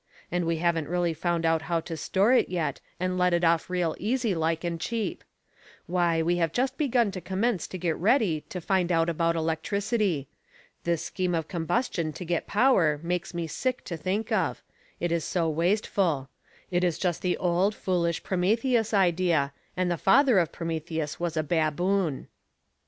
And we haven't really found out how to store it yet and let it off real easy like and cheap. Why, we have just begun to commence to get ready to find out about electricity. This scheme of combustion to get power makes me sick to think of it is so wasteful. It is just the old, foolish Prometheus idea, and the father of Prometheus was a baboon."